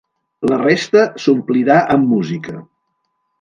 La resta s’omplirà amb música.